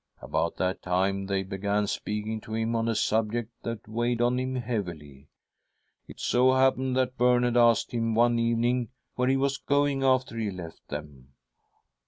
"About that time they began speaking to him on a subject that weighed on him heavily. It so happened that Bernard asked him one evening . where he was going after he left them.